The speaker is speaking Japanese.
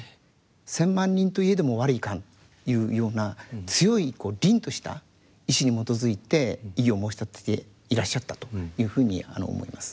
「千万人と雖も吾往かん」というような強い凜とした意志に基づいて異議を申し立てていらっしゃったというふうに思います。